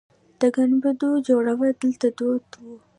د ګنبدو جوړول دلته دود و